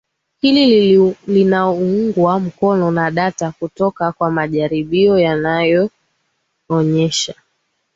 hili linaungwa mkono na data kutoka kwa majaribio yanayoonyesha